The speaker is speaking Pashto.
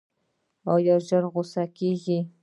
ایا ژر غوسه کیږئ؟